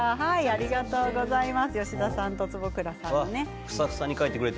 ありがとうございます。